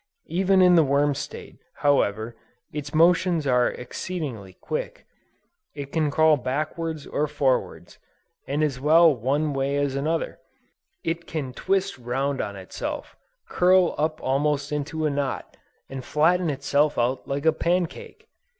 Even in the worm state, however, its motions are exceedingly quick; it can crawl backwards or forwards, and as well one way as another: it can twist round on itself, curl up almost into a knot, and flatten itself out like a pancake!